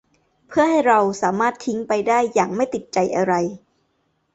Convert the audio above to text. เพื่อให้เราสามารถทิ้งไปได้อย่างไม่ติดใจอะไร